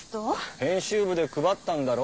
編集部で配ったんだろ。